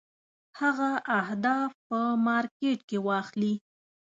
هغه اهداف په مارکېټ کې واخلي.